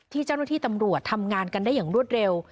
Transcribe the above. เจ้าหน้าที่ตำรวจทำงานกันได้อย่างรวดเร็ว